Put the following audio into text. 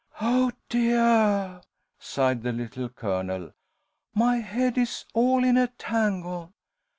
"Oh, deah!" sighed the Little Colonel, "my head is all in a tangle.